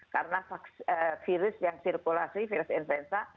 karena virus yang sirkulasi virus influenza